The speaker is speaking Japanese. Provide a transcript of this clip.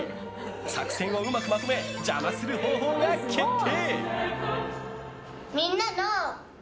作戦をうまくまとめ邪魔する方法が決定！